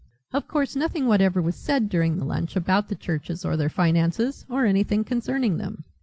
Of course nothing whatever was said during the lunch about the churches or their finances or anything concerning them.